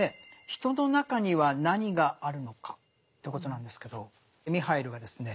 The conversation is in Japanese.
「人の中には何があるのか？」ということなんですけどミハイルがですね